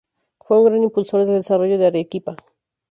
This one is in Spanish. Fue un gran impulsor del desarrollo de Arequipa.